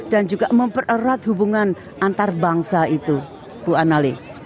dan juga mempererat hubungan antarbangsa itu bu annali